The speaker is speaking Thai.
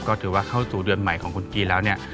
ก็ถือว่าเข้าสู่เดือนใหม่ของคนจีนแล้วเนี่ย